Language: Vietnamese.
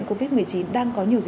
có mệt nữa không